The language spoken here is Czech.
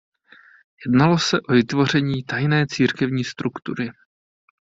Jednalo se o vytvoření tajné církevní struktury.